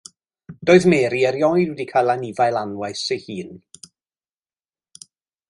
Doedd Mary erioed wedi cael anifail anwes ei hun.